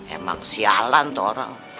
emang sialan tuh orang